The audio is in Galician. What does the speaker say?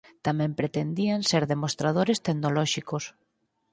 Tamén pretendían ser demostradores tecnolóxicos.